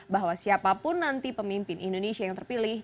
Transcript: bahwa siapapun nanti pemimpin indonesia yang terpilih